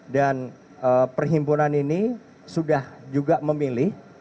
dan perhimpunan ini sudah juga memilih